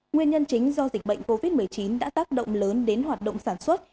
nguyên nhân chính do dịch bệnh covid một mươi chín đã tác động lớn đến hoạt động sản xuất